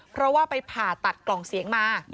เพราะว่าไปผ่าตัดกล่องเสียงมา